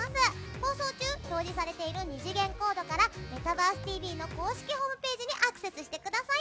放送中、表示されている２次元コードから「メタバースＴＶ！！」の公式ホームページにアクセスしてください。